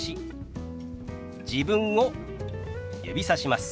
自分を指さします。